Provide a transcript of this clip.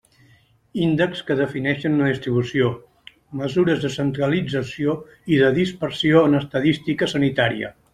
Índexs que defineixen una distribució: mesures de centralització i de dispersió en estadística sanitària.